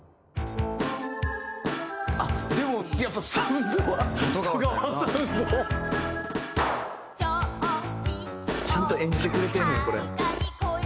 「でもやっぱサウンドは戸川サウンド」「ちゃんと演じてくれてんねやこれ」